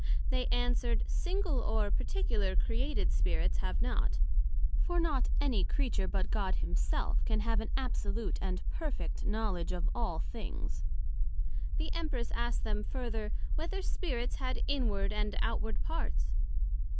They answered, Single or particular created Spirits, have not; for not any Creature, but God Himself, can have an absolute and perfect knowledg of all things. The Empress asked them further, Whether Spirits had inward and outward parts?